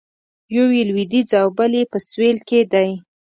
یو یې لویدیځ او بل یې په سویل کې دی.